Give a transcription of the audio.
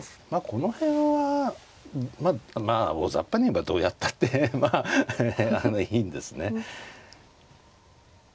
この辺はまあ大ざっぱに言えばどうやったってまああのいいんですね。